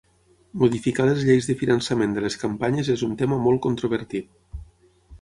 Modificar les lleis de finançament de les campanyes és un tema molt controvertit.